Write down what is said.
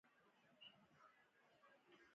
د وربشو ګل د تودوخې لپاره وکاروئ